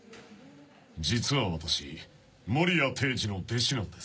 実は私森谷帝ニの弟子なんです。